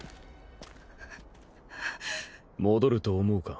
戻ると思うか？